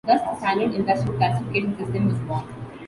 Thus, the Standard Industrial Classification system was born.